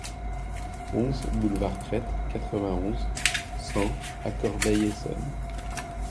onze boulevard Crete, quatre-vingt-onze, cent à Corbeil-Essonnes